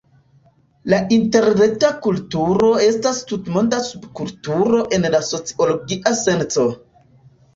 La interreta kulturo estas tutmonda subkulturo en la sociologia senco.